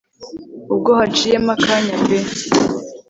ubwo haciyemo akanya pe